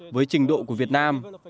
với trình độ của việt nam